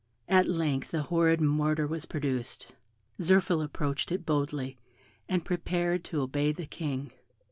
At length the horrid mortar was produced. Zirphil approached it boldly, and prepared to obey the King.